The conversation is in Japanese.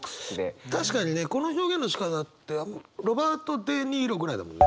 確かにねこの表現のしかたってロバート・デ・ニーロぐらいだもんね。